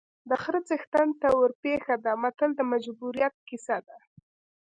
د خره څښتن ته ورپېښه ده متل د مجبوریت کیسه ده